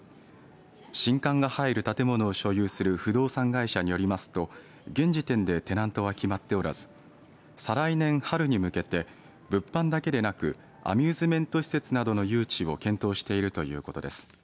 新館が入る建物を所有する不動産会社によりますと現時点でテナントは決まっておらず再来年春に向けて物販だけでなくアミューズメント施設などの誘致を検討しているということです。